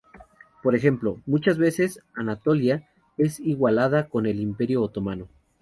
Por ejemplo, muchas veces "Anatolia" es igualada con el Imperio otomano.